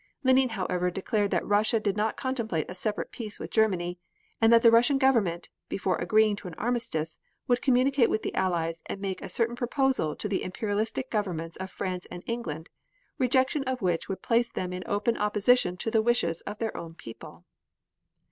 Lenine, however, declared that Russia did not contemplate a separate peace with Germany, and that the Russian Government, before agreeing to an armistice, would communicate with the Allies and make a certain proposal to the imperialistic governments of France and England, rejection of which would place them in open opposition to the wishes of their own people.